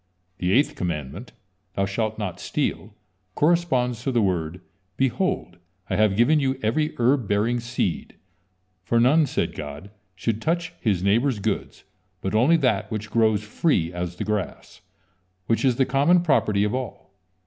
The eighth commandment: "Thou shalt not steal," corresponds to the word: "Behold, I have given you every herb bearing seed," for none, said God, should touch his neighbor's goods, but only that which grows free as the grass, which is the common property of all.